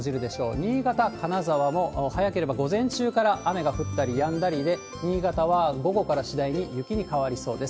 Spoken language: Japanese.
新潟、金沢も早ければ午前中から雨が降ったりやんだりで、新潟は午後から次第に雪に変わりそうです。